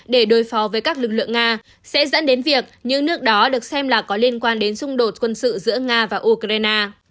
để đối phó với các lực lượng nga sẽ dẫn đến việc những nước đó được xem là có liên quan đến xung đột quân sự giữa nga và ukraine